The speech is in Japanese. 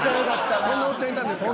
そんなおっちゃんいたんですか。